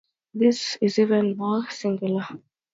This is even more singular!